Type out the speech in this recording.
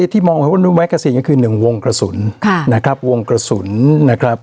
ที่มองว่าเป็นแมกกระซีนก็คือหนึ่งวงกระสุนค่ะนะครับวงกระสุนนะครับ